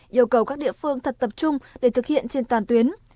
yêu cầu các địa phương thật tập trung để thực hiện trên toàn tuyến